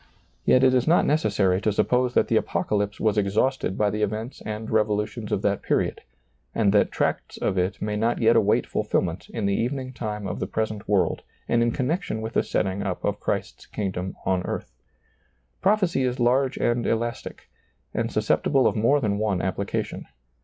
Yet it is not necessary to suppose that the Apocalypse was exhausted by the events and revolutions of that period, and that tracts of it may not yet await fulfillment in the evening time of the present world and in connection with the setting up of Christ's kingdom on earth. Prophecy is large and elastic, and susceptible of more than one application.